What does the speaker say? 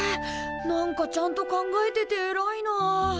なんかちゃん考えててえらいなあ。